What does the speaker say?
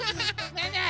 ねえねえ